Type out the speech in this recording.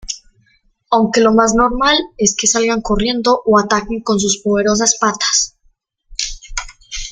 Aunque lo más normal es que salgan corriendo o ataquen con sus poderosas patas.